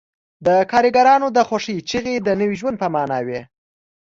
د کارګرانو د خوښۍ چیغې د نوي ژوند په مانا وې